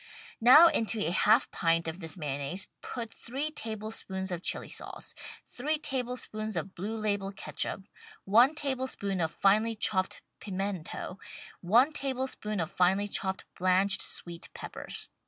Now into a half pint of this mayonnaise put three table spoons of Chili sauce; three tablespoons of Blue Label Ketchup; one tablespoon of finely chopped pimento; one tablespoon of finely chopped blanched sweet peppers.